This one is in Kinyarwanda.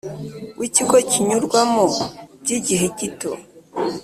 W ikigo kinyurwamo by igihe gito